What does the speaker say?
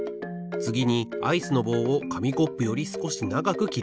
つぎにアイスの棒をかみコップよりすこしながくきります。